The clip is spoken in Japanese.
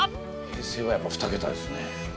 平成はやっぱふた桁ですね。